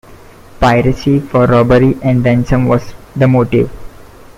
Piracy for robbery and ransom was the motive.